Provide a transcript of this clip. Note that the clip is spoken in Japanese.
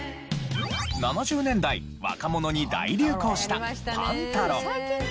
７０年代若者に大流行したパンタロン。